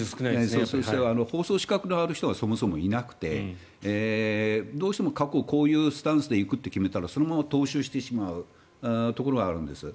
法曹資格のある人がそもそもいなくてどうしてもこういうスタンスで行くと決めたらそのまま踏襲してしまうところがあるんです。